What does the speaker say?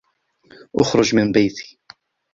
اخرج من بيتي.